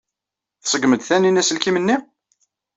Tṣeggem-d Taninna aselkim-nni?